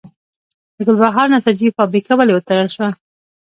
د ګلبهار نساجي فابریکه ولې وتړل شوه؟